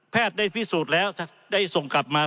ได้พิสูจน์แล้วได้ส่งกลับมา